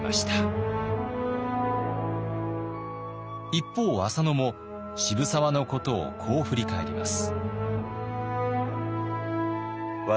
一方浅野も渋沢のことをこう振り返ります。